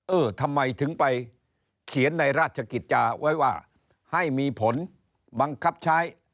เออทำไมถึงไปเขียนในราชกิจจาไว้ว่าให้มีผลบังคับใช้